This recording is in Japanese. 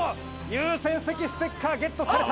優先席ステッカー、ゲットされた。